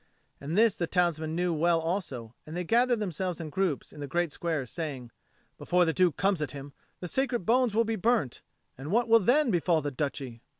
And this the townsmen knew well also; and they gathered themselves in groups in the great square, saying, "Before the Duke comes at him, the sacred bones will be burnt, and what will then befall the Duchy?"